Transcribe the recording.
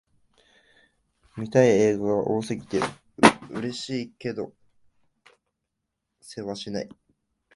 見たい映画が多すぎて、嬉しいけどせわしない